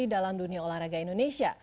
dalam dunia olahraga indonesia